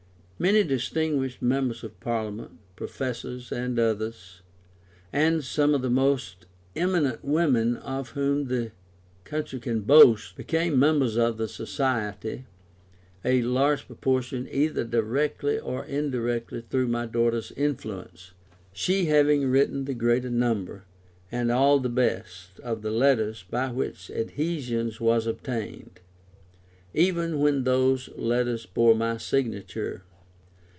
Many distinguished members of parliament, professors, and others, and some of the most eminent women of whom the country can boast, became members of the Society, a large proportion either directly or indirectly through my daughter's influence, she having written the greater number, and all the best, of the letters by which adhesions was obtained, even when those letters bore my signature.